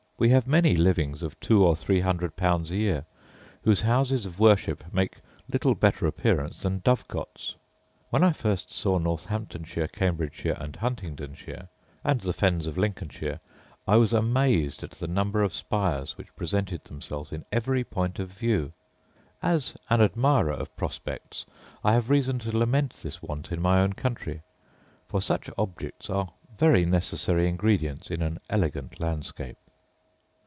We have many livings of two or three hundred pounds a year, whose houses of worship make little better appearance than dovecots. When I first saw Northamptonshire, Cambridgeshire and Huntingdonshire, and the fens of Lincolnshire, I was amazed at the number of spires which presented themselves in every point of view. As an admirer of prospects, I have reason to lament this want in my own country; for such objects are very necessary ingredients in an elegant landscape.